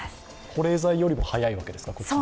保冷剤よりも早いわけですか。